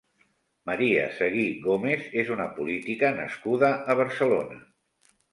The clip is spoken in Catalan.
María Seguí Gómez és una política nascuda a Barcelona.